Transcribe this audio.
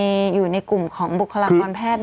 เพศสาชกรอยู่ในกลุ่มของบุษลากรแพทย์ไหมคะ